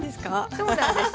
そうなんです。